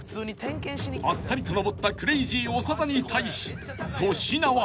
［あっさりとのぼったクレイジー長田に対し粗品は］